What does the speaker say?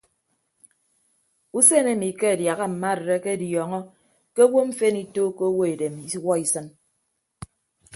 Usen emi ke adiaha mma arịd akediọọñọ ke owo mfen ituuko owo edem iwuọ isịn.